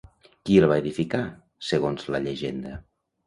Qui el va edificar, segons la llegenda?